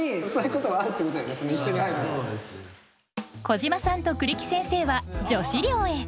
小島さんと栗木先生は女子寮へ。